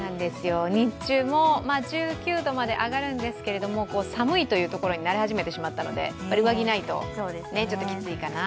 日中も１９度まで上がるんですけれども寒いというところになり始めてしまったので上着ないと、きついかな。